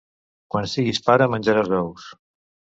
Quan siguis pare, menjaràs ous.